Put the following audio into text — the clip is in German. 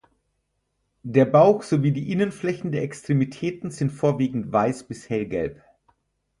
Der Bauch sowie die Innenflächen der Extremitäten sind vorwiegend weiß bis hellgelb.